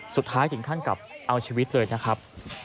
สุดท้ายถึงขั้นกับเอาชีวิตเลยนะครับ